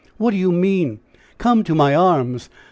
what do you mean? Come to my arms!